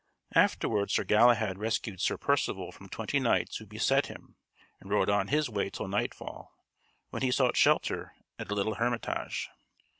Afterward Sir Galahad rescued Sir Percivale from twenty knights who beset him, and rode on his way till night fall, when he sought shelter at a little hermitage.